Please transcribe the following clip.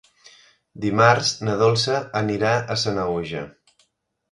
Dimarts na Dolça anirà a Sanaüja.